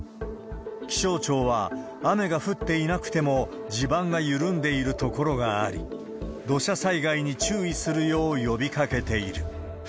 気象庁は、雨が降っていなくても地盤が緩んでいる所があり、土砂災害に注意するよう呼びかけている。